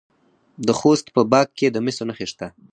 د خوست په باک کې د مسو نښې شته.